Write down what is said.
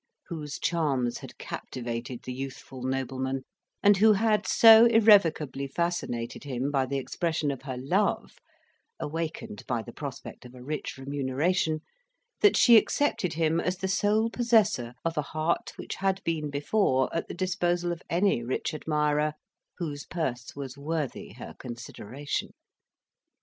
whose charms had captivated the youthful nobleman, and who had so irrevocably fascinated him by the expression of her love, awakened by the prospect of a rich remuneration, that she accepted him as the sole possessor of a heart which had been before at the disposal of any rich admirer whose purse was worthy her consideration.